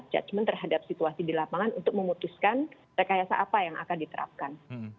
judgement terhadap situasi di lapangan untuk memutuskan rekayasa apa yang akan diterapkan